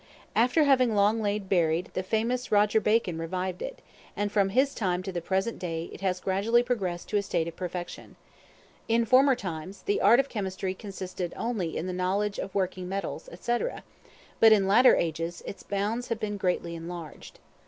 After having long lain buried, the famous Roger Bacon revived it; and from his time to the present day it has gradually progressed to a state of perfection. In former times, the art of chemistry consisted only in the knowledge of working metals, &c. but in latter ages, its bounds have been greatly enlarged.